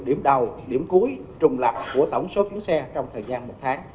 điểm đầu điểm cuối trùng lập của tổng số chuyến xe trong thời gian một tháng